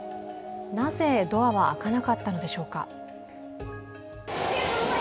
なぜドアは開かなかったのでしょうか。